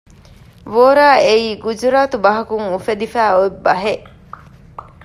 ވޯރާ އެއީ ގުޖުރާތު ބަހަކުން އުފެދިފައި އޮތް ބަހެއް